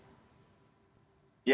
yang ada di indonesia